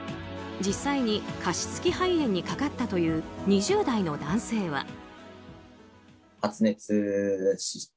実際に加湿器肺炎にかかったという２０代の男性は。